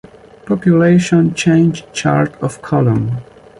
Population Change Chart of Colum